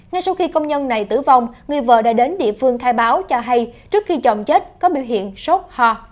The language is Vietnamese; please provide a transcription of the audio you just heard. ngay sau khi công nhân này tử vong người vợ đã đến địa phương khai báo cho hay trước khi chồng chết có biểu hiện sốt ho